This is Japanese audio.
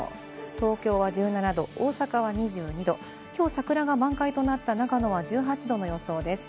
東京は１７度、大阪２２度、今日、桜が満開となった長野は１８度の予想です。